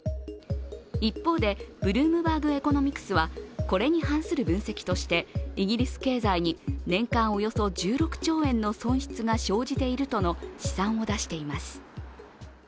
一方でブルームバーグ・エコノミクスはこれに反する分析としてイギリス経済に年間およそ１６兆円の損失が生じているとの試算を出しています。